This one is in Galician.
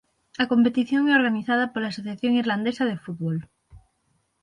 A competición é organizada pola Asociación Irlandesa de Fútbol.